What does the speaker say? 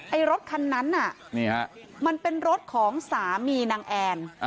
ไอ้รถคันนั้นน่ะมันเป็นรถของสามีนางแอร์